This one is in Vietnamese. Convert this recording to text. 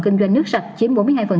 kinh doanh nước sạch chiếm bốn mươi hai